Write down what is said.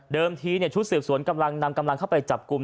ทีชุดสืบสวนกำลังนำกำลังเข้าไปจับกลุ่ม